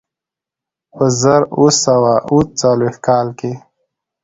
په زر اووه سوه اوه څلوېښت کال کې.